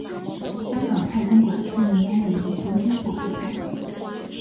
香港太空馆天文公园全天候开放。